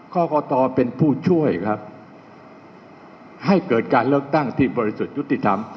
กรกตเป็นผู้ช่วยครับให้เกิดการเลือกตั้งที่บริสุทธิ์ยุติธรรม